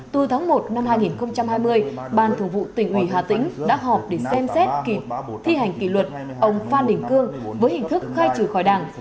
từ tháng một năm hai nghìn hai mươi ban thủ vụ tỉnh ủy hà tĩnh đã họp để xem xét thi hành kỷ luật ông phan đình cương với hình thức khai trừ khỏi đảng